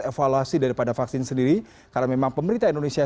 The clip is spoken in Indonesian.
evaluasi daripada vaksin sendiri karena memang pemerintah indonesia